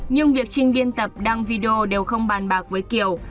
nhưng việc trinh biên tập đăng video đều không bàn bạc với kiều